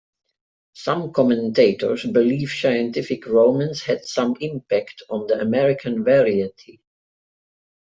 Some commentators believe scientific romance had some impact on the American variety.